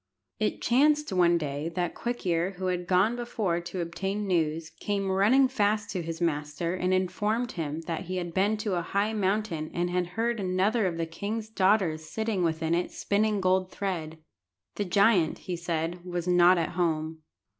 It chanced one day that Quick ear, who had gone before to obtain news, came running fast to his master and informed him that he had been to a high mountain, and had heard another of the king's daughters sitting within it spinning gold thread. The giant, he said, was not at home.